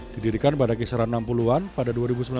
didirikan pada kisaran enam puluh an pada dua ribu sembilan belas